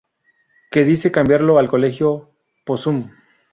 Que decide cambiarlo al Colegio Possum.